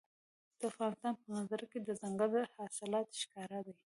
د افغانستان په منظره کې دځنګل حاصلات ښکاره ده.